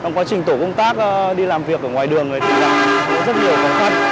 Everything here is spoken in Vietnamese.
trong quá trình tổ công tác đi làm việc ở ngoài đường thì gặp rất nhiều khó khăn